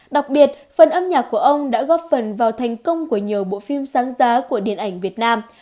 đặc biệt phần âm nhạc của ông đã góp phần vào thành công của nhiều bộ phim sáng giá của điện ảnh việt nam